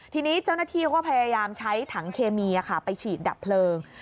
ทีนี้เจ้าหน้าที่ก็พยายามใช้ถังเคมีไปฉีดดับเพลิง